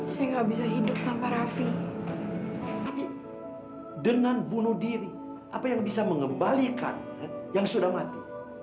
sehingga bisa hidup tanpa rafi tapi dengan bunuh diri apa yang bisa mengembalikan yang sudah mati